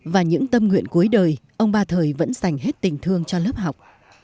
và những tâm nguyện cuối đời ông ba thời vẫn sành hết tình thương cho lớp học